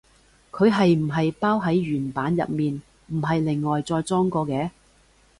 佢係唔係包喺原版入面，唔係另外再裝過嘅？